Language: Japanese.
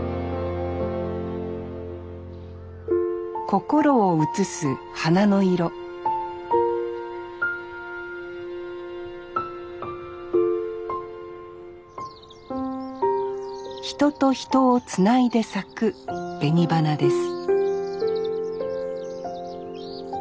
心を映す花の色人と人をつないで咲く紅花です